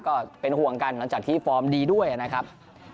ก็เป็นห่วงกันหลังจากที่ฟอร์มดีด้วยนะครับ